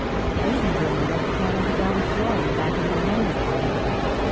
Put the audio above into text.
I even drew him a rough plan of the ground floor on the back of my menu card.